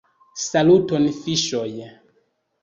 Saluton fiŝoj